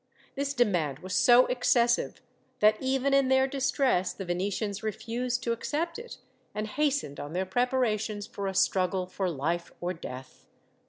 This demand was so excessive that, even in their distress, the Venetians refused to accept it, and hastened on their preparations for a struggle for life or death.